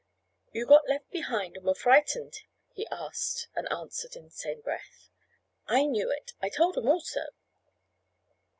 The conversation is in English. "You got left behind and were frightened," he asked and answered in same breath. "I knew it—I told 'em all so.